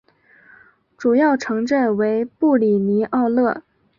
主要城镇为布里尼奥勒。